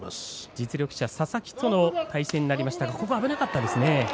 実力者、佐々木との対戦になりましたが危なかったですね。